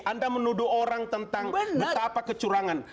anda menuduh orang tentang betapa kecurangan